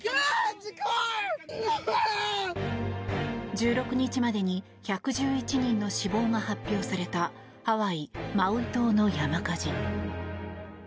１６日までに１１１人の死亡が発表されたハワイ・マウイ島の山火事。